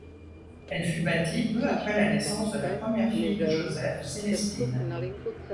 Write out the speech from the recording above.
Elle fut bâtie peu après la naissance de la première fille de Joseph, Célestine.